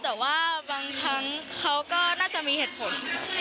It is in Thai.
แต่ว่าบางครั้งเขาก็น่าจะมีเหตุผล